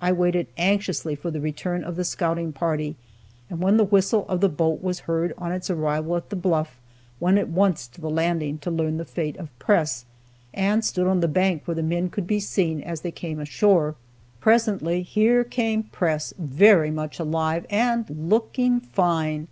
I waited anxiously for the return of the scouting party, and when the whistle of the boat was heard on its arrival at the Bluff, went at once to the landing to learn the fate of Press, and stood on the bank where the men could be seen as they came ashore. Presently here came Press, very much alive, and looking fine!